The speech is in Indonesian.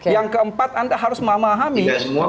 yang keempat anda harus memahami